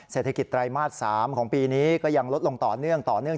เศรษฐกิจไตรมาส๓ของปีนี้ก็ยังลดลงต่อเนื่อง